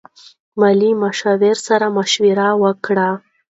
مالي مشاور سره مشوره وکړئ.